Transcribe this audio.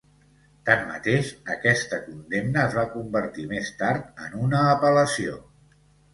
Tanmateix, aquesta condemna es va convertir més tard en una apel·lació.